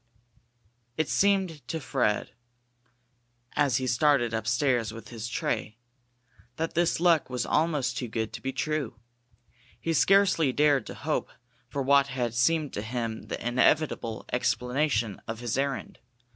It seemed to Fred, as he started upstairs with his tray, that this luck was almost too good to be true. He scarcely dared to hope for what had seemed to him the inevitable explanation of his errand.